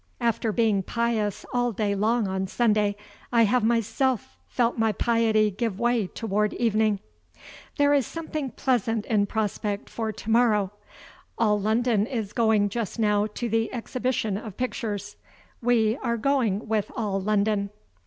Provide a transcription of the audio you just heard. After being pious all day long on Sunday, I have myself felt my piety give way toward evening. There is something pleasant in prospect for to morrow. All London is going just now to the exhibition of pictures. We are going with all London.